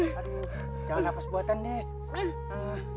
aduh jangan nafas buatan deh